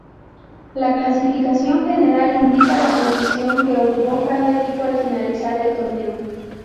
La clasificación general indica la posición que ocupó cada equipo al finalizar el torneo.